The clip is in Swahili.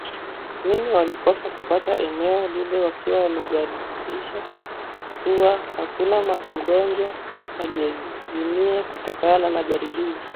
nini walikosa kupata eneo lile wakiwa wamejiridhisha kuwa hakuna mgonjwa aliezimia kutokana na majaribio